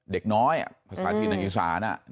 เด็กน้อยภาษาอินทรีย์ศาล